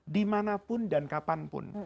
dimanapun dan kapanpun